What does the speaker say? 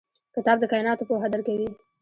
کتاب د کایناتو پوهه درکوي.